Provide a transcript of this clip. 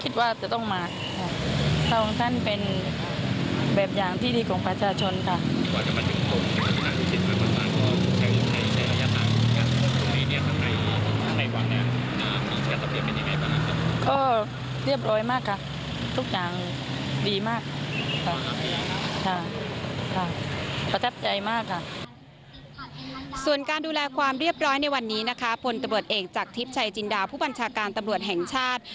ส่วนการดูแลความเรียบร้อยในวันนี้นะคะผลตำรวจเอกจากทิพย์ชัยจินดาผู้บัญชาการตำรวจแห่งชาติ